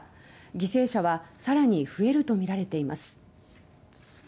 犠牲者は更に増えるとみられています。